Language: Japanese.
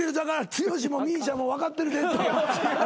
剛もＭＩＳＩＡも分かってる。